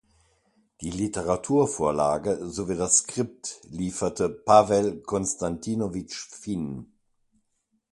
Die Literaturvorlage sowie das Skript lieferte Pawel Konstantinowitsch Finn.